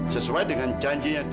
sesuai dengan janjinya tante